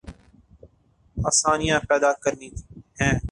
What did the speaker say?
آسانیاں پیدا کرنی ہیں۔